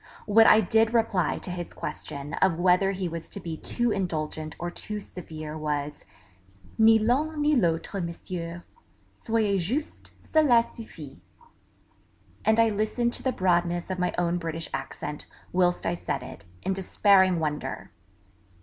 What I did reply to his question of whether he was to be too indulgent or too severe was 'Ni l'un ni l'autre, Monsieur; soyez juste, celà suffit' ... and I listened to the broadness of my own British accent, whilst I said it, in despairing wonder!